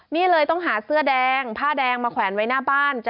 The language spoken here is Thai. นี่เลยต้องหาเสื้อแดงผ้าแดงมาแขวนไว้หน้าบ้าน